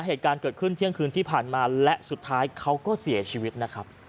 เหตุการณ์เกิดขึ้นเที่ยงคืนที่ผ่านมาและสุดท้ายเขาก็เสียชีวิตนะครับ